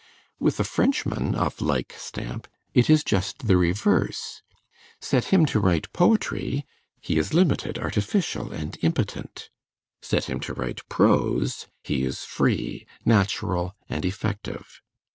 With a Frenchman of like stamp, it is just the reverse: set him to write poetry, he is limited, artificial, and impotent; set him to write prose, he is free, natural, and effective.